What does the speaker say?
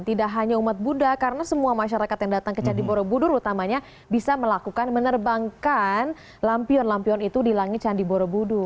tidak hanya umat buddha karena semua masyarakat yang datang ke candi borobudur utamanya bisa melakukan menerbangkan lampion lampion itu di langit candi borobudur